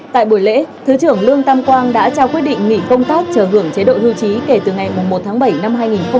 tại buổi lễ thứ trưởng lương tam quang đã trao quyết định nghỉ công tác chờ hưởng chế độ hưu trí kể từ ngày một tháng bảy năm hai nghìn hai mươi